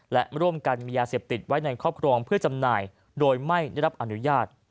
และร่วมกันมียาเสพติดไว้ในครอบครองเพื่อจำหน่ายโดยไม่ได้รับอนุญาต